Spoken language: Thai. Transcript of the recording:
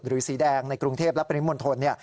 หรือสีแดงในกรุงเทพรับปริมนต์มนตร